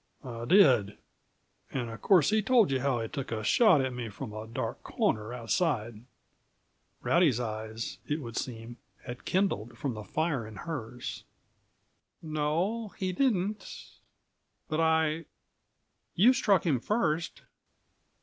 "I did. And of course he told you how he took a shot at me from a dark corner, outside." Rowdy's eyes, it would seem, had kindled from the fire in hers. "No, he didn't but I you struck him first."